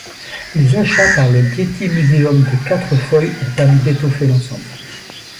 Les achats par le Getty Museum de quatre feuilles ont permis d'étoffer l'ensemble.